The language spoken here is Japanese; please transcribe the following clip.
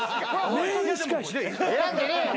選んでねえよ